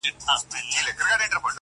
ها